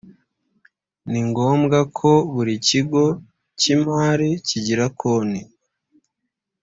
ningombwa ko buri kigo cy imari kigira konti